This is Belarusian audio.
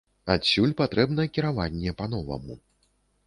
Адсюль патрэбна кіраванне па-новаму.